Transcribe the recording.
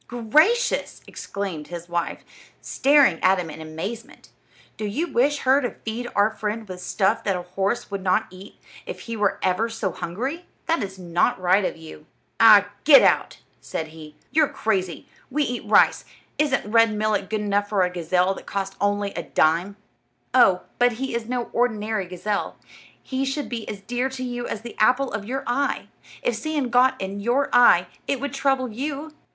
"Gracious!" exclaimed his wife, staring at him in amazement; "do you wish her to feed our friend with stuff that a horse would not eat if he were ever so hungry? This is not right of you." "Ah, get out!" said he, "you're crazy. We eat rice; isn't red millet good enough for a gazelle that cost only a dime?" "Oh, but he is no ordinary gazelle. He should be as dear to you as the apple of your eye. If sand got in your eye it would trouble you."